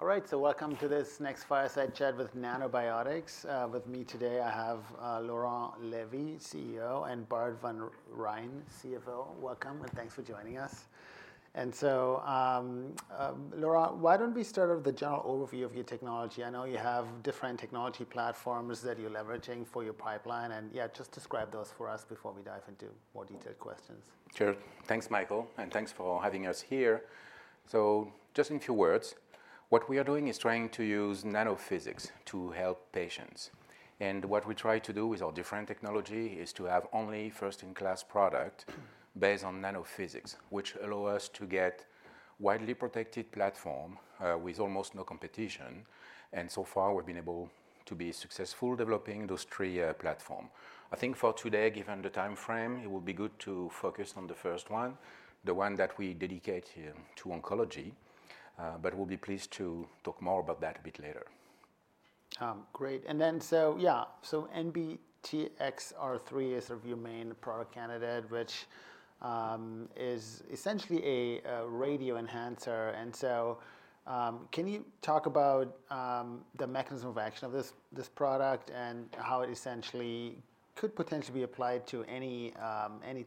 All right, so welcome to this next Fireside Chat with Nanobiotix. With me today, I have Laurent Lévy, CEO, and Bart Van Rhijn, CFO. Welcome, and thanks for joining us, and so, Laurent, why don't we start with a general overview of your technology? I know you have different technology platforms that you're leveraging for your pipeline, and yeah, just describe those for us before we dive into more detailed questions. Sure. Thanks, Michael, and thanks for having us here. So just in a few words, what we are doing is trying to use nanophysics to help patients, and what we try to do with our different technology is to have only first-in-class product based on nanophysics, which allows us to get a widely protected platform with almost no competition. And so far, we've been able to be successful developing those three platforms. I think for today, given the time frame, it will be good to focus on the first one, the one that we dedicate to oncology. But we'll be pleased to talk more about that a bit later. Great. And then, so yeah, so NBTXR3 is sort of your main product candidate, which is essentially a radio enhancer. And so can you talk about the mechanism of action of this product and how it essentially could potentially be applied to any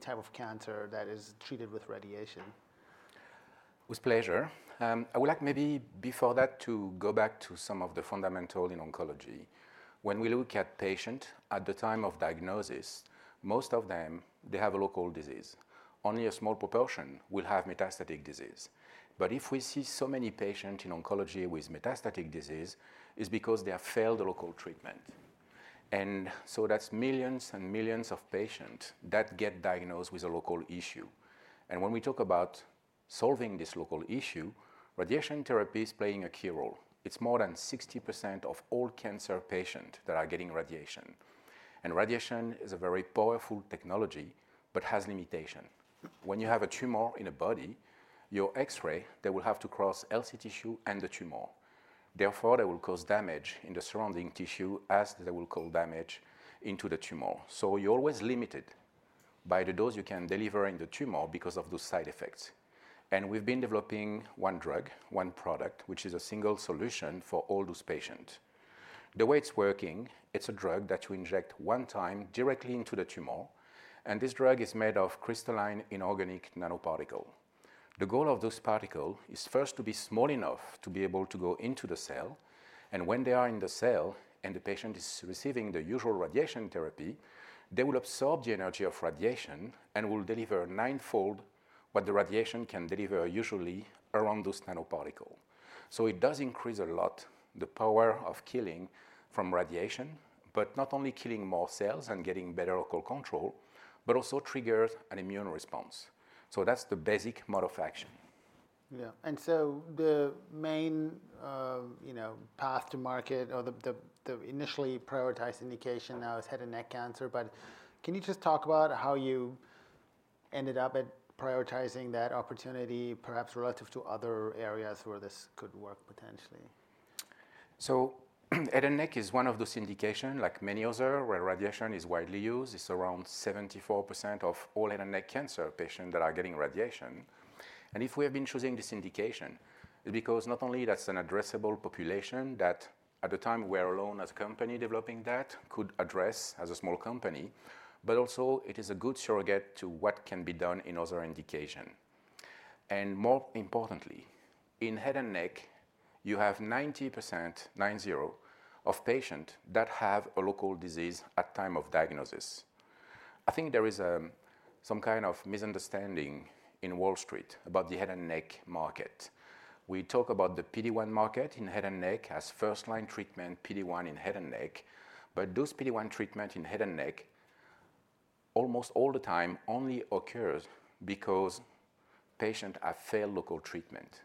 type of cancer that is treated with radiation? With pleasure. I would like maybe before that to go back to some of the fundamentals in oncology. When we look at patients at the time of diagnosis, most of them, they have a local disease. Only a small proportion will have metastatic disease. But if we see so many patients in oncology with metastatic disease, it's because they have failed a local treatment. And so that's millions and millions of patients that get diagnosed with a local issue. And when we talk about solving this local issue, radiation therapy is playing a key role. It's more than 60% of all cancer patients that are getting radiation. And radiation is a very powerful technology but has limitations. When you have a tumor in a body, your X-ray, they will have to cross healthy tissue and the tumor. Therefore, they will cause damage in the surrounding tissue as they will cause damage into the tumor, so you're always limited by the dose you can deliver in the tumor because of those side effects, and we've been developing one drug, one product, which is a single solution for all those patients. The way it's working, it's a drug that you inject one time directly into the tumor, and this drug is made of crystalline inorganic nanoparticles. The goal of those particles is first to be small enough to be able to go into the cell, and when they are in the cell and the patient is receiving the usual radiation therapy, they will absorb the energy of radiation and will deliver ninefold what the radiation can deliver usually around those nanoparticles. So it does increase a lot the power of killing from radiation, but not only killing more cells and getting better local control, but also triggers an immune response. So that's the basic mode of action. Yeah. And so the main path to market or the initially prioritized indication now is head and neck cancer. But can you just talk about how you ended up prioritizing that opportunity, perhaps relative to other areas where this could work potentially? Head and neck is one of those indications, like many others, where radiation is widely used. It's around 74% of all head and neck cancer patients that are getting radiation. And if we have been choosing this indication, it's because not only that's an addressable population that at the time we are alone as a company developing that could address as a small company, but also it is a good surrogate to what can be done in other indications. And more importantly, in head and neck, you have 90%, nine-zero of patients that have a local disease at the time of diagnosis. I think there is some kind of misunderstanding in Wall Street about the head and neck market. We talk about the PD-1 market in head and neck as first-line treatment PD-1 in head and neck. But those PD-1 treatments in head and neck almost all the time only occur because patients have failed local treatment.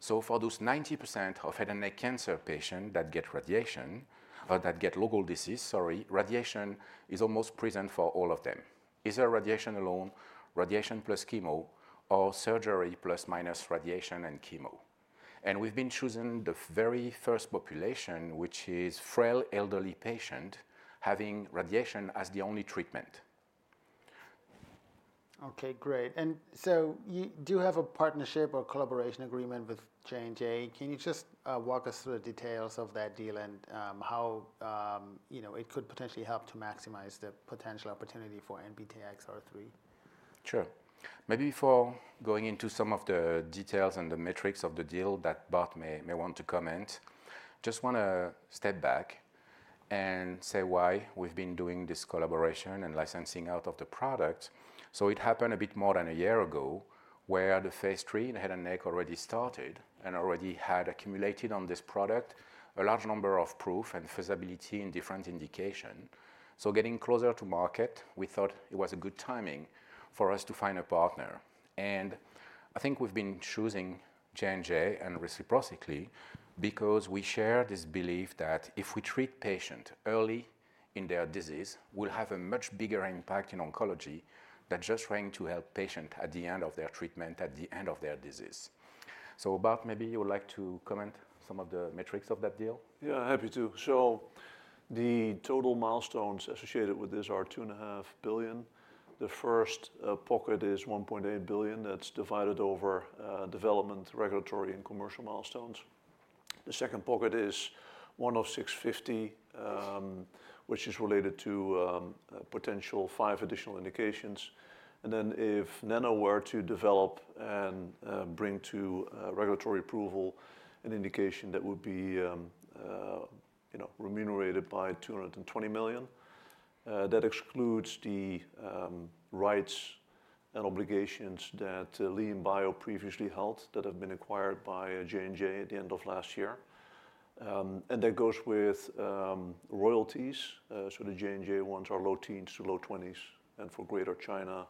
So for those 90% of head and neck cancer patients that get radiation or that get local disease, sorry, radiation is almost present for all of them. Either radiation alone, radiation plus chemo, or surgery plus minus radiation and chemo. And we've been choosing the very first population, which is frail elderly patients having radiation as the only treatment. Okay, great, and so you do have a partnership or collaboration agreement with J&J. Can you just walk us through the details of that deal and how it could potentially help to maximize the potential opportunity for NBTXR3? Sure. Maybe before going into some of the details and the metrics of the deal that Bart may want to comment, I just want to step back and say why we've been doing this collaboration and licensing out of the product. So it happened a bit more than a year ago where the Phase III in head and neck already started and already had accumulated on this product a large number of proof and feasibility in different indications, so getting closer to market, we thought it was a good timing for us to find a partner, and I think we've been choosing J&J and reciprocally because we share this belief that if we treat patients early in their disease, we'll have a much bigger impact in oncology than just trying to help patients at the end of their treatment, at the end of their disease. So Bart, maybe you would like to comment on some of the metrics of that deal? Yeah, happy to. So the total milestones associated with this are $2.5 billion. The first pocket is $1.8 billion that's divided over development, regulatory, and commercial milestones. The second pocket is $650 million, which is related to potential five additional indications. And then if Nano were to develop and bring to regulatory approval an indication that would be remunerated by $220 million, that excludes the rights and obligations that LianBio previously held that have been acquired by J&J at the end of last year. And that goes with royalties. So the J&J ones are low teens to low 20s, and for Greater China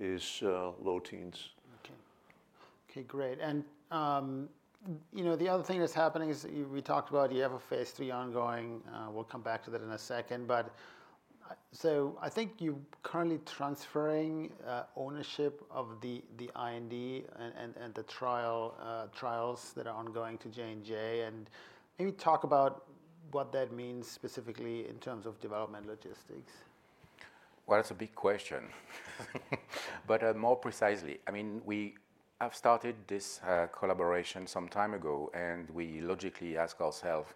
is low teens. Okay. Okay, great. And the other thing that's happening is we talked about you have a Phase III ongoing. We'll come back to that in a second. But so I think you're currently transferring ownership of the IND and the trials that are ongoing to J&J. And maybe talk about what that means specifically in terms of development logistics. That's a big question, but more precisely, I mean, we have started this collaboration some time ago, and we logically ask ourselves,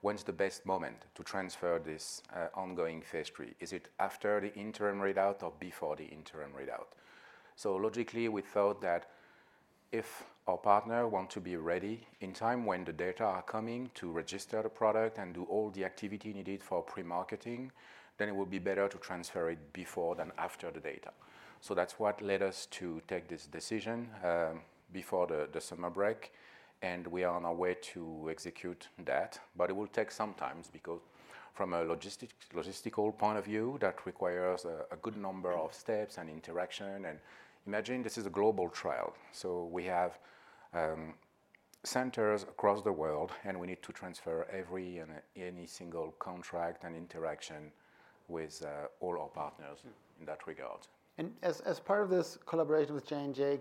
when's the best moment to transfer this ongoing Phase III? Is it after the interim readout or before the interim readout, so logically, we thought that if our partner wants to be ready in time when the data are coming to register the product and do all the activity needed for pre-marketing, then it will be better to transfer it before than after the data, so that's what led us to take this decision before the summer break, and we are on our way to execute that, but it will take some time because from a logistical point of view, that requires a good number of steps and interaction, and imagine this is a global trial. So we have centers across the world, and we need to transfer every and any single contract and interaction with all our partners in that regard. As part of this collaboration with J&J,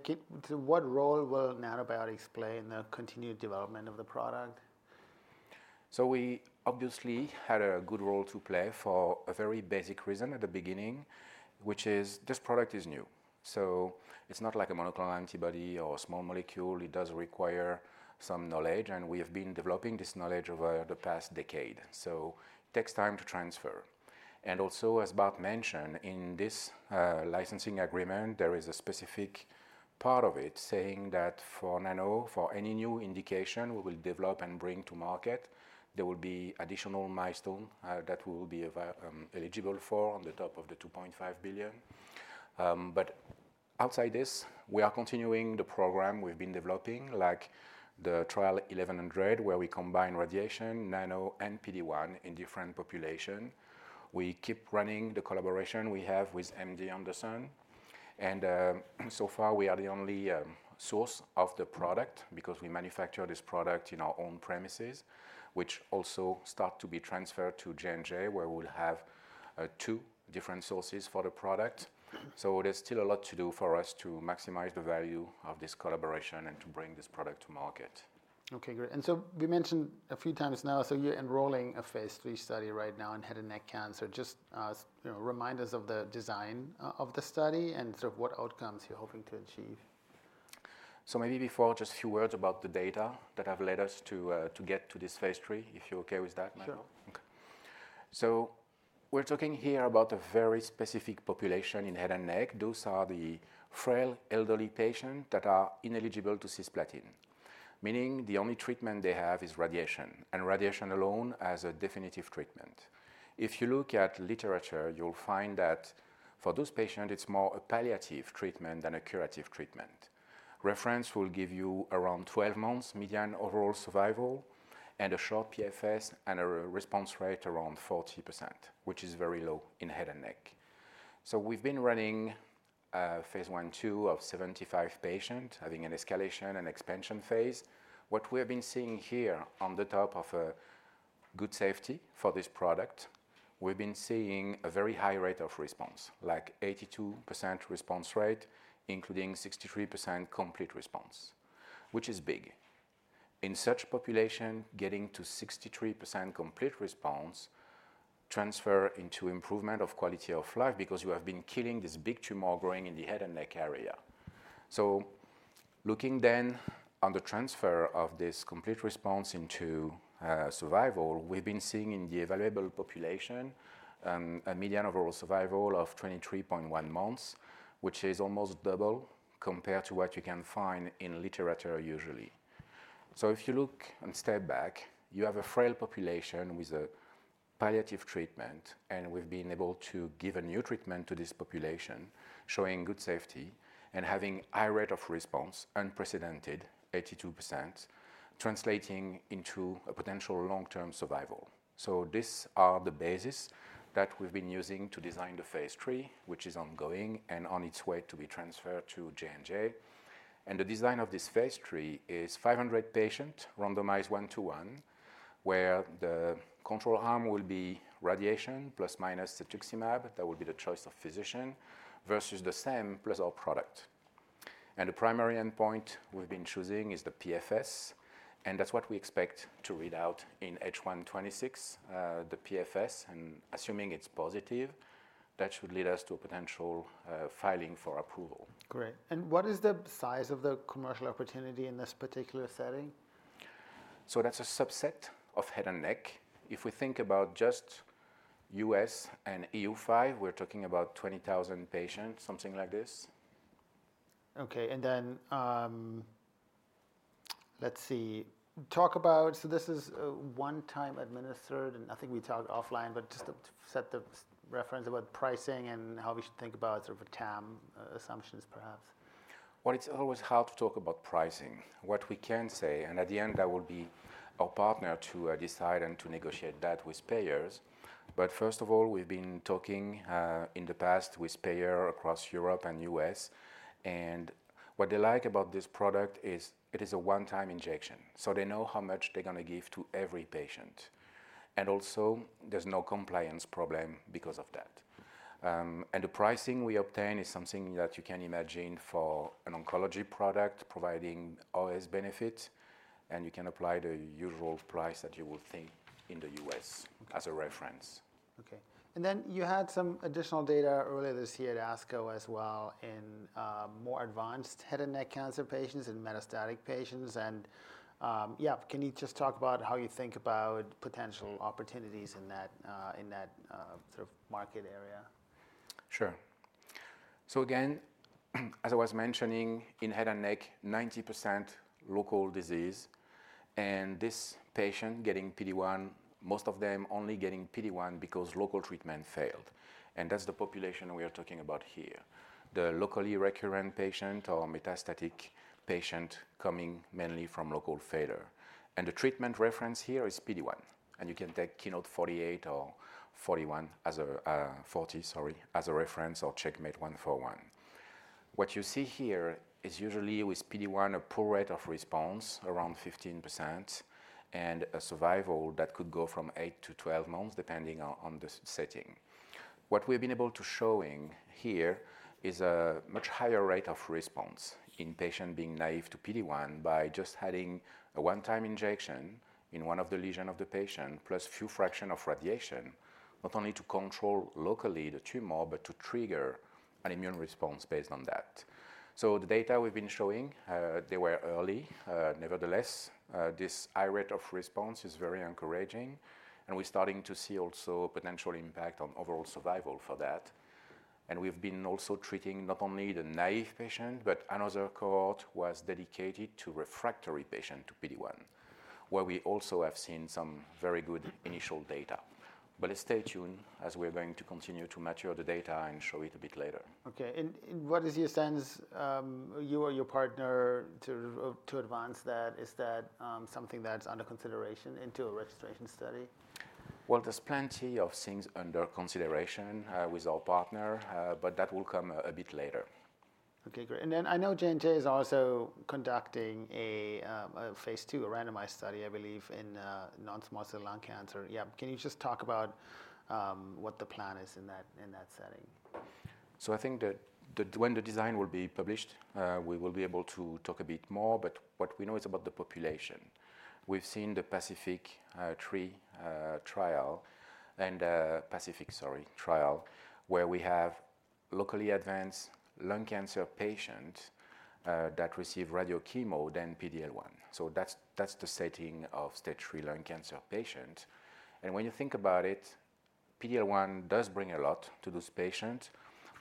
what role will Nanobiotix play in the continued development of the product? So we obviously had a good role to play for a very basic reason at the beginning, which is this product is new. So it's not like a monoclonal antibody or a small molecule. It does require some knowledge, and we have been developing this knowledge over the past decade. So it takes time to transfer. And also, as Bart mentioned, in this licensing agreement, there is a specific part of it saying that for Nano, for any new indication we will develop and bring to market, there will be additional milestones that we will be eligible for on the top of the $2.5 billion. But outside this, we are continuing the program we've been developing, like the trial 1100, where we combine radiation, nano, and PD-1 in different populations. We keep running the collaboration we have with MD Anderson. And so far, we are the only source of the product because we manufacture this product in our own premises, which also start to be transferred to J&J, where we'll have two different sources for the product. So there's still a lot to do for us to maximize the value of this collaboration and to bring this product to market. Okay, great. And so we mentioned a few times now, so you're enrolling a Phase III study right now in head and neck cancer. Just remind us of the design of the study and sort of what outcomes you're hoping to achieve. So maybe before just a few words about the data that have led us to get to this Phase III, if you're okay with that, Michael. Sure. We're talking here about a very specific population in head and neck. Those are the frail elderly patients that are ineligible to cisplatin, meaning the only treatment they have is radiation, and radiation alone as a definitive treatment. If you look at literature, you'll find that for those patients, it's more a palliative treatment than a curative treatment. Reference will give you around 12 months median overall survival and a short PFS and a response rate around 40%, which is very low in head and neck. We've been running Phase I and II of 75 patients, having an escalation and expansion phase. What we have been seeing here on top of a good safety for this product, we've been seeing a very high rate of response, like 82% response rate, including 63% complete response, which is big. In such population, getting to 63% complete response transfers into improvement of quality of life because you have been killing this big tumor growing in the head and neck area. Looking then on the transfer of this complete response into survival, we've been seeing in the evaluable population a median overall survival of 23.1 months, which is almost double compared to what you can find in literature usually. If you look and step back, you have a frail population with a palliative treatment, and we've been able to give a new treatment to this population, showing good safety and having a high rate of response, unprecedented, 82%, translating into a potential long-term survival. These are the bases that we've been using to design the Phase III, which is ongoing and on its way to be transferred to J&J. And the design of this Phase III is 500 patients randomized one-to-one, where the control arm will be radiation plus minus cetuximab. That will be the choice of physician versus the same plus our product. And the primary endpoint we've been choosing is the PFS. And that's what we expect to read out in H1'26, the PFS. And assuming it's positive, that should lead us to a potential filing for approval. Great. And what is the size of the commercial opportunity in this particular setting? So that's a subset of head and neck. If we think about just U.S. and EU5, we're talking about 20,000 patients, something like this. Okay. And then let's see. Talk about, so this is one-time administered, and I think we talked offline, but just to set the reference about pricing and how we should think about sort of TAM assumptions, perhaps. It's always hard to talk about pricing, what we can say. And at the end, that will be our partner to decide and to negotiate that with payers. But first of all, we've been talking in the past with payers across Europe and US. And what they like about this product is it is a one-time injection. So they know how much they're going to give to every patient. And also, there's no compliance problem because of that. And the pricing we obtain is something that you can imagine for an oncology product providing all these benefits. And you can apply the usual price that you will think in the US as a reference. Okay. And then you had some additional data earlier this year at ASCO as well in more advanced head and neck cancer patients and metastatic patients. And yeah, can you just talk about how you think about potential opportunities in that sort of market area? Sure, so again, as I was mentioning, in head and neck, 90% local disease, and this patient getting PD-1, most of them only getting PD-1 because local treatment failed. And that's the population we are talking about here, the locally recurrent patient or metastatic patient coming mainly from local failure. And the treatment reference here is PD-1. And you can take KEYNOTE 48 or 41 as a 40, sorry, as a reference or CheckMate 141. What you see here is usually with PD-1, a poor rate of response, around 15%, and a survival that could go from eight to 12 months, depending on the setting. What we've been able to show here is a much higher rate of response in patients being naive to PD-1 by just having a one-time injection in one of the lesions of the patient, plus a few fractions of radiation, not only to control locally the tumor, but to trigger an immune response based on that, so the data we've been showing, they were early. Nevertheless, this high rate of response is very encouraging, and we're starting to see also a potential impact on overall survival for that, and we've been also treating not only the naive patient, but another cohort was dedicated to refractory patients to PD-1, where we also have seen some very good initial data, but stay tuned as we're going to continue to mature the data and show it a bit later. Okay. And what is your sense? You or your partner to advance that, is that something that's under consideration into a registration study? There's plenty of things under consideration with our partner, but that will come a bit later. Okay, great. And then I know J&J is also conducting a Phase II, a randomized study, I believe, in non-small cell lung cancer. Yeah. Can you just talk about what the plan is in that setting? So I think that when the design will be published, we will be able to talk a bit more. But what we know is about the population. We've seen the PACIFIC trial, where we have locally advanced lung cancer patients that receive radiochemo then PD-1. So that's the setting of Stage III lung cancer patients. And when you think about it, PD-1 does bring a lot to those patients,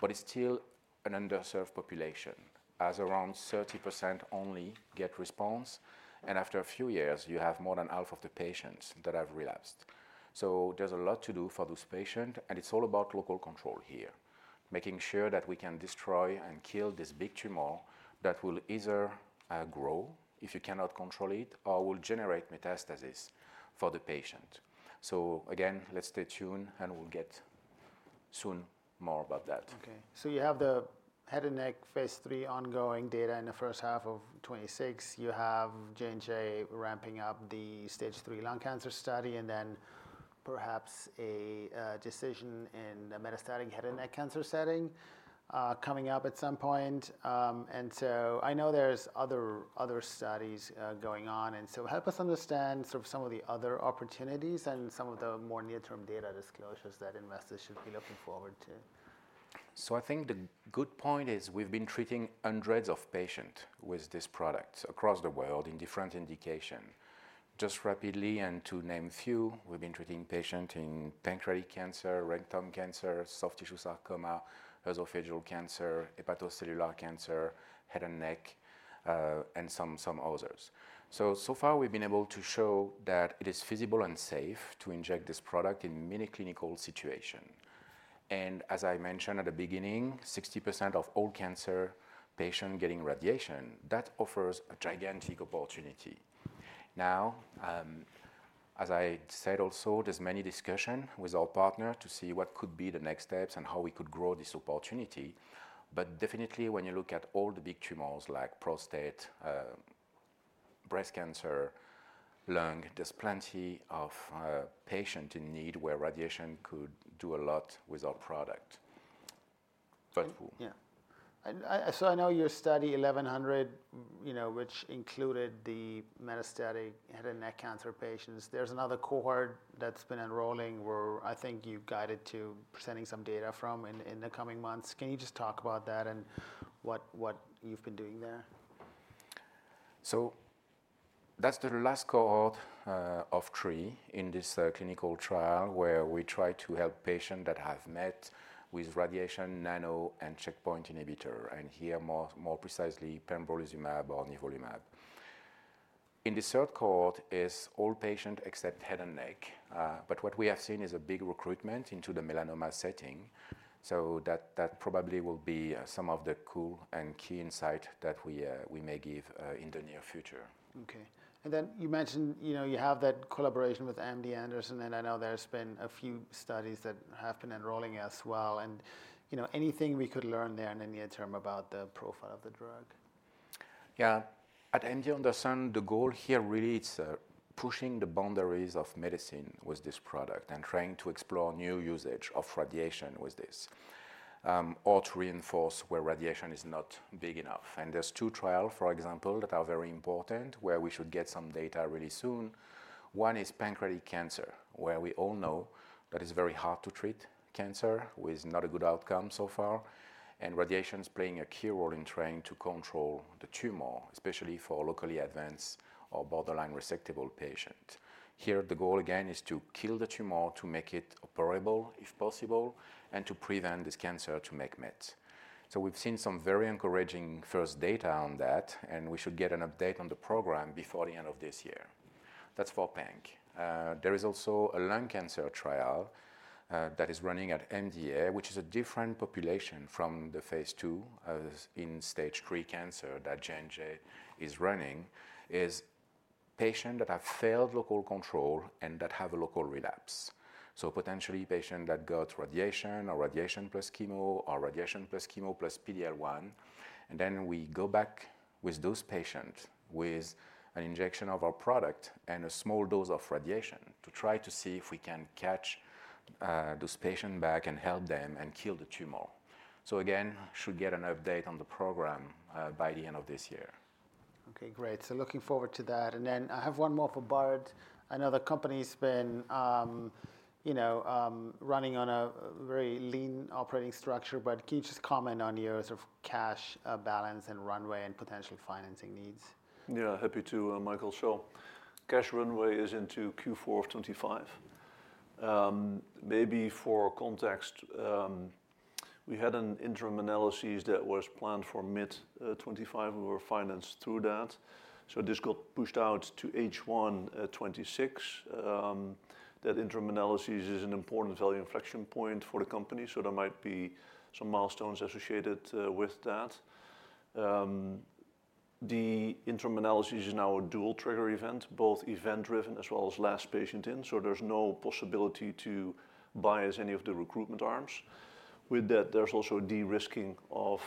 but it's still an underserved population, as around 30% only get response. And after a few years, you have more than half of the patients that have relapsed. So there's a lot to do for those patients. And it's all about local control here, making sure that we can destroy and kill this big tumor that will either grow if you cannot control it or will generate metastasis for the patient. So again, let's stay tuned, and we'll get soon more about that. Okay. So you have the head and neck Phase III ongoing data in the first half of 2026. You have J&J ramping up the Phase III lung cancer study, and then perhaps a decision in the metastatic head and neck cancer setting coming up at some point. And so I know there's other studies going on. And so help us understand sort of some of the other opportunities and some of the more near-term data disclosures that investors should be looking forward to. So, I think the good point is we've been treating hundreds of patients with this product across the world in different indications. Just rapidly, and to name a few, we've been treating patients in pancreatic cancer, rectal cancer, soft tissue sarcoma, esophageal cancer, hepatocellular cancer, head and neck, and some others. So far, we've been able to show that it is feasible and safe to inject this product in many clinical situations. And as I mentioned at the beginning, 60% of all cancer patients getting radiation, that offers a gigantic opportunity. Now, as I said, also, there's many discussions with our partner to see what could be the next steps and how we could grow this opportunity. But definitely, when you look at all the big tumors like prostate, breast cancer, lung, there's plenty of patients in need where radiation could do a lot with our product. Yeah, so I know your Study 1100, which included the metastatic head and neck cancer patients. There's another cohort that's been enrolling where I think you've guided to presenting some data from in the coming months. Can you just talk about that and what you've been doing there? So that's the last cohort of three in this clinical trial where we try to help patients that have met with radiation, nano, and checkpoint inhibitor, and here more precisely pembrolizumab or nivolumab. In the third cohort is all patients except head and neck. But what we have seen is a big recruitment into the melanoma setting. So that probably will be some of the cool and key insight that we may give in the near future. Okay. And then you mentioned you have that collaboration with MD Anderson, and I know there's been a few studies that have been enrolling as well. And anything we could learn there in the near term about the profile of the drug? Yeah. At MD Anderson, the goal here really is pushing the boundaries of medicine with this product and trying to explore new usage of radiation with this or to reinforce where radiation is not big enough. And there's two trials, for example, that are very important where we should get some data really soon. One is pancreatic cancer, where we all know that it's very hard to treat cancer with not a good outcome so far. And radiation is playing a key role in trying to control the tumor, especially for locally advanced or borderline resectable patients. Here, the goal again is to kill the tumor to make it operable if possible and to prevent this cancer to make mets. So we've seen some very encouraging first data on that, and we should get an update on the program before the end of this year. That's for panc. There is also a lung cancer trial that is running at MD Anderson, which is a different population from the Phase II in Stage III cancer that J&J is running, is patients that have failed local control and that have a local relapse. So, potentially, patients that got radiation or radiation plus chemo or radiation plus chemo plus PD-1. And then we go back with those patients with an injection of our product and a small dose of radiation to try to see if we can catch those patients back and help them and kill the tumor. So again, should get an update on the program by the end of this year. Okay, great, so looking forward to that, and then I have one more for Bart. I know the company's been running on a very lean operating structure, but can you just comment on your sort of cash balance and runway and potential financing needs? Yeah, happy to, Michael, sure. Cash runway is into Q4 of 2025. Maybe for context, we had an interim analysis that was planned for mid-2025. We were financed through that. So this got pushed out to H1 2026. That interim analysis is an important value inflection point for the company. So there might be some milestones associated with that. The interim analysis is now a dual trigger event, both event-driven as well as last patient in. So there's no possibility to bias any of the recruitment arms. With that, there's also de-risking of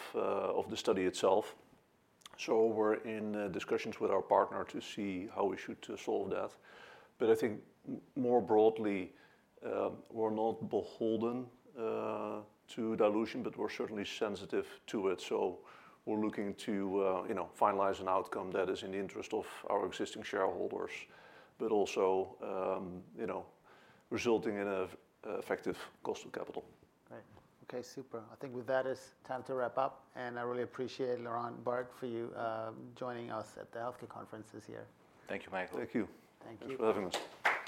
the study itself. So we're in discussions with our partner to see how we should solve that. But I think more broadly, we're not beholden to dilution, but we're certainly sensitive to it. So we're looking to finalize an outcome that is in the interest of our existing shareholders, but also resulting in an effective cost of capital. Great. Okay, super. I think with that, it's time to wrap up, and I really appreciate Laurent Lévy for joining us at the healthcare conferences here. Thank you, Michael. Thank you. Thank you. Thanks for having us.